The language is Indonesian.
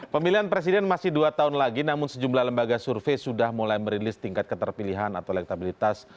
pemilihan presiden masih dua tahun lagi namun sejumlah lembaga survei sudah mulai merilis tingkat keterpilihan atau elektabilitas